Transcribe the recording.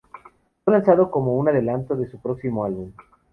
Fue lanzado como un adelanto de su próximo álbum.